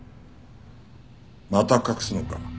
また隠すのか？